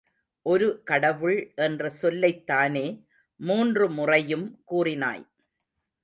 ஒரு கடவுள் என்ற சொல்லைத்தானே மூன்று முறையும் கூறினாய்.